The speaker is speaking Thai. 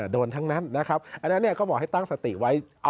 ทั้งนั้นนะครับอันนั้นก็บอกให้ตั้งสติไว้